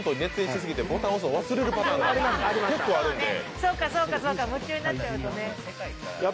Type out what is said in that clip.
そうかそうか夢中になっちゃうとね。